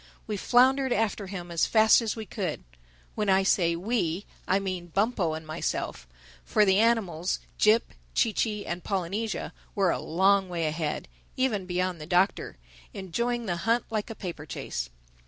We floundered after him as fast as we could. When I say we, I mean Bumpo and myself; for the animals, Jip, Chee Chee and Polynesia, were a long way ahead—even beyond the Doctor—enjoying the hunt like a paper chase.